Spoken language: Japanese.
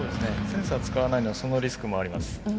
センサー使わないのはそのリスクもあります。